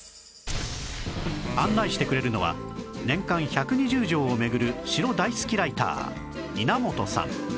案内してくれるのは年間１２０城を巡る城大好きライターいなもとさん